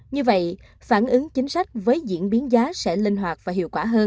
như vậy phản ứng chính sách với diễn biến giá sẽ linh hoạt và hiệu quả hơn